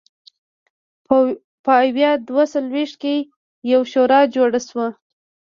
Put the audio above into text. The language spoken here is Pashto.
په ویا دوه څلوېښت کې یوه شورا جوړه شوه.